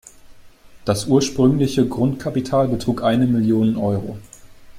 Das ursprüngliche Grundkapital betrug eine Million Euro.